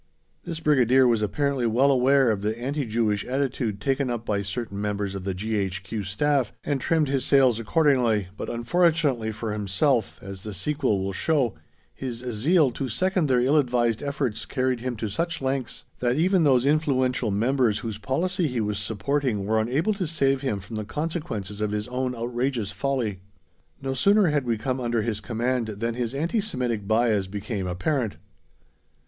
This Brigadier was apparently well aware of the anti Jewish attitude taken up by certain members of the G.H.Q. Staff, and trimmed his sails accordingly, but unfortunately for himself, as the sequel will show, his zeal to second their ill advised efforts carried him to such lengths that even those influential members whose policy he was supporting were unable to save him from the consequences of his own outrageous folly. No sooner had we come under his command than his anti Semitic bias became apparent.